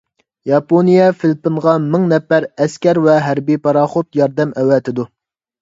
ياپونىيە فىلىپپىنغا مىڭ نەپەر ئەسكەر ۋە ھەربىي پاراخوت ياردەم ئەۋەتىدۇ.